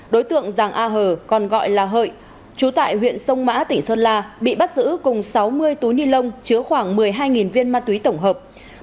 đối tượng giàng a hờ còn gọi là hợi chú tại huyện sông mã tỉnh sơn la bị bắt giữ cùng sáu mươi túi ni lông chứa khoảng một mươi hai viên ma túy tổng hợp